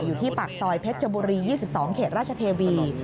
อยู่ที่ปากซอยเพชรชบุรี๒๒เขตราชเทวี